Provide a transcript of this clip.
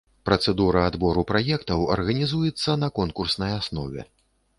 Працэдура адбору праектаў арганізуецца на конкурснай аснове.